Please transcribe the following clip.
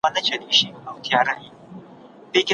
طلاق بده خبره ده.